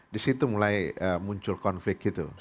disitu mulai muncul konflik